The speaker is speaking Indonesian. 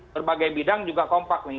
berbagai bidang juga kompak nih